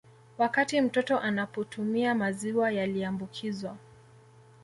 Wakati mtoto anapotumia maziwa yaliambukizwa